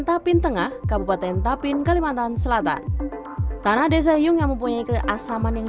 tapin tengah kabupaten tapin kalimantan selatan tanah desa hiung yang mempunyai keasaman yang